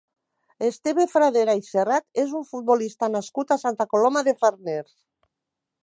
Esteve Fradera i Serrat és un futbolista nascut a Santa Coloma de Farners.